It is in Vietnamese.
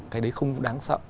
cái đấy không đáng sợ